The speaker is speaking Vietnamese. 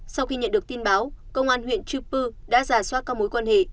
sau khi nhận được tin báo công an huyện chư pư đã giả soát các mối quan hệ